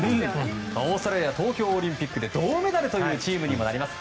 オーストラリアは東京オリンピックで銅メダルというチームにもなります。